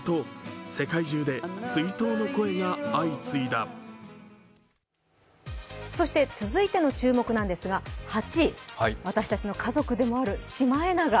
ＳＮＳでも続いての注目なんですが、８位、私たちの家族でもあるシマエナガ。